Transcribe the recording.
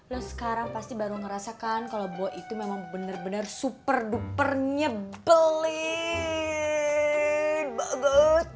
lo sekarang pasti baru ngerasakan kalo gue itu memang bener bener super duper nyebelin banget